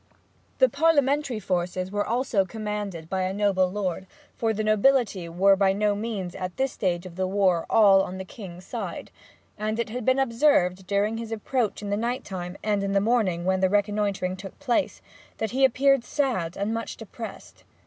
The Parliamentary forces were also commanded by a noble lord for the nobility were by no means, at this stage of the war, all on the King's side and it had been observed during his approach in the night time, and in the morning when the reconnoitring took place, that he appeared sad and much depressed.